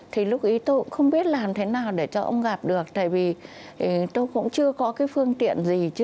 thì lúc ý tôi không biết làm thế nào để cho ông gặp được tại vì tôi cũng chưa có cái phương tiện gì chứ